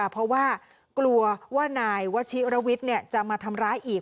เพราะว่ากลัวว่านายวชิระวิทย์จะมาทำร้ายอีก